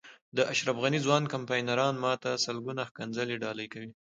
د اشرف غني ځوان کمپاینران ما ته سلګونه ښکنځلې ډالۍ کوي.